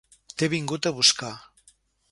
T'he vingut a buscar.